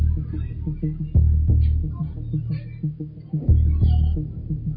เดี๋ยวเขาจะรับแค่ปากซอยในซอยฟ้าเนี่ยต้นไฟเนี่ย